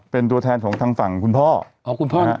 เป็นตัวแทนของทางฝั่งคุณพ่ออ๋อคุณพ่อฮะ